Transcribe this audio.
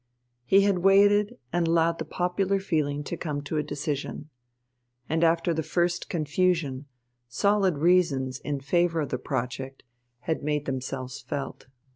He had waited and allowed the popular feeling to come to a decision. And after the first confusion, solid reasons in favour of the project had made themselves felt.